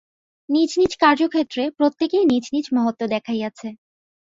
নিজ নিজ কার্যক্ষেত্রে প্রত্যেকেই নিজ নিজ মহত্ত্ব দেখাইয়াছে।